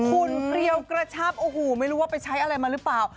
ุ่นเกลียวกระชับโอ้โหไม่รู้ว่าไปใช้อะไรมาหรือเปล่า